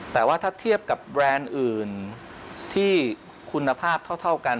แต่ว่าถ้าเทียบกับแบรนด์อื่นที่คุณภาพเท่ากัน